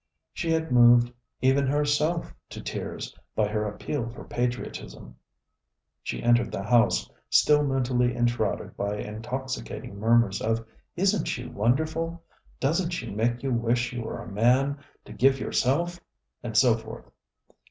She had moved even herself to tears by her appeal for patriotism. She entered the house, still mentally enshrouded by intoxicating murmurs of "Isn't she wonderful!" "Doesn't she make you wish you were a man, to go yourself!" and so forth.